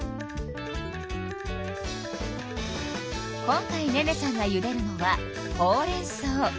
今回寧々さんがゆでるのはほうれんそう。